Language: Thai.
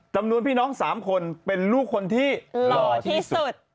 จำนวนพี่น้อง๓คนเป็นลูกคนที่หล่อที่สุด